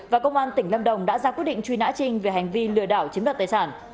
và công an tỉnh lâm đồng đã ra quyết định truy nã trinh về hành vi lừa đảo chiếm đoạt tài sản